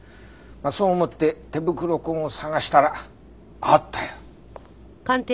そう思って手袋痕を捜したらあったよ。